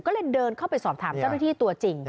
ก็เลยเดินเข้าไปสอบถามเจ้าหน้าที่ตัวจริง